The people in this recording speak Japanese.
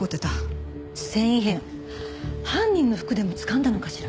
繊維片犯人の服でもつかんだのかしら？